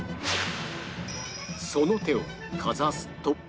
その手をかざすと